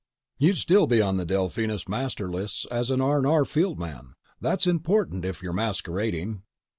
"You'd still be on the Delphinus master lists as an R&R field man. That's important if you're masquerading."